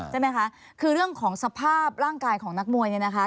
ใช่ไหมคะคือเรื่องของสภาพร่างกายของนักมวยเนี่ยนะคะ